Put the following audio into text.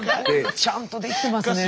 ちゃんと出来てますね。